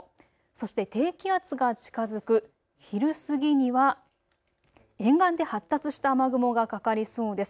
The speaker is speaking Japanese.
そして低気圧が近づく昼過ぎには沿岸で発達した雨雲がかかりそうです。